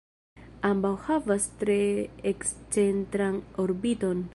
Ambaŭ havas tre ekscentran orbiton.